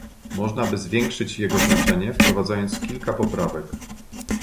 Można by zwiększyć jego znaczenie, wprowadzając kilka poprawek